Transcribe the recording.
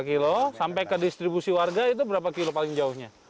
lima kilo sampai ke distribusi warga itu berapa kilo paling jauhnya